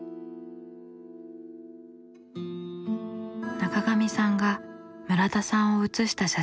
中上さんが村田さんを写した写真。